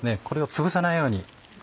これをつぶさないように。